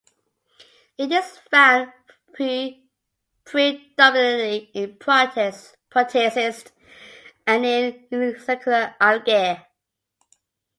It is found predominantly in protists and in unicellular algae.